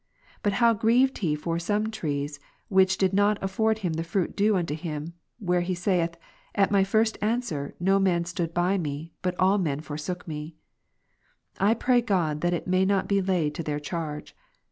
But how grieved he for some trees, which did not afford him the fruit due unto him, where he 2 Tim. saith. At my first answer no man stood by me, but all men '■ forsook me. I jrray God that it may not be laid to their charge